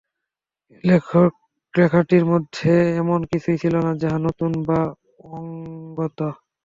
লেখাটির মধ্যে এমন কিছুই ছিল না যাহা নূতন বা অসংগত।